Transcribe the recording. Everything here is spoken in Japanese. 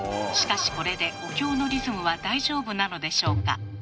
しかしこれでお経のリズムは大丈夫なのでしょうか。